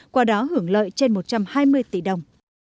qua đó hưởng lợi trên một trăm hai mươi tỷ đồng